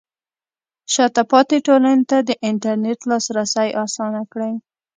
شاته پاتې ټولنې ته د انټرنیټ لاسرسی اسانه کړئ.